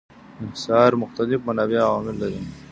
انحصار مختلف منابع او عوامل لري.